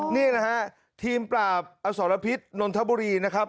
นี่นะฮะทีมปราบอสรพิษนนทบุรีนะครับ